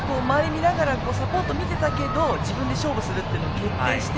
見ながらサポートも見てたけど自分で勝負するというのを決定して